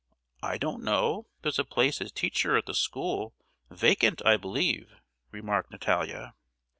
"I don't know—there's a place as teacher at the school, vacant, I believe," remarked Natalia.